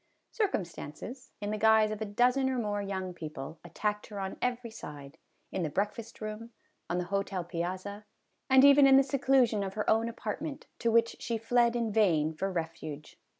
Circumstances, in the guise of a dozen or more young people, attacked her on every side in the breakfast room, on the hotel piazza, and even in the seclusion of her own apartment, to which she fled in vain for refuge.